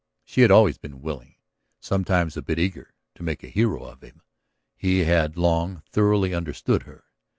She had always been willing, sometimes a bit eager, to make a hero of him; he had long thoroughly understood her.